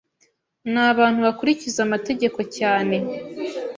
ni abantu bakurikiza amategeko cyane